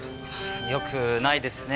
よくないですね。